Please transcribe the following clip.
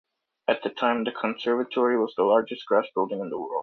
At the time, the conservatory was the largest glass building in the world.